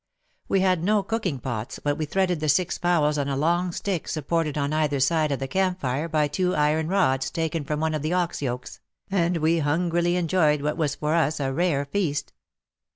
We had no cooking pots, but we threaded the six fowls on a long stick supported on either side of the camp fire by two iron rods taken from one of the ox yokes, and we hungrily enjoyed what was for us a rare feast.